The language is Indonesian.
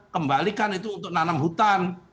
kembalikan itu untuk nanam hutan